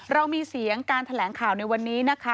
เรามีเสียงการแถลงข่าวในวันนี้นะคะ